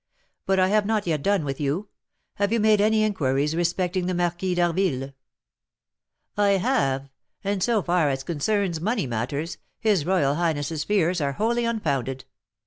But I have not yet done with you. Have you made any inquiries respecting the Marquis d'Harville?" "I have; and, so far as concerns money matters, his royal highness's fears are wholly unfounded. M.